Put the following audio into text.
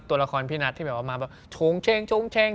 ตัวละครพี่นัทที่แบบว่ามาแบบโชงเชง